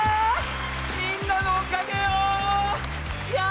みんなのおかげよ！